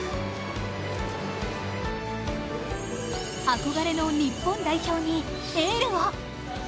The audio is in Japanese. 憧れの日本代表にエールを。